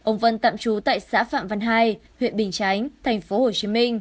thân tạm trú tại xã phạm văn hai huyện bình chánh tp hcm